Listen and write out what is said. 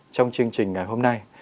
trong chương trình ngày hôm nay